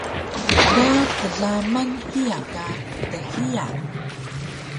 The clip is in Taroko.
Ga tlaman hiya ka dhiya